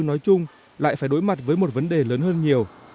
nói chung lại phải đối mặt với một vấn đề lớn hơn nhiều